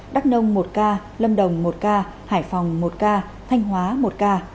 đắk nông một ca lâm đồng một ca hải phòng một ca thanh hóa một ca